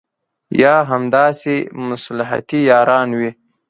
یا همداسې مصلحتي یاران وي.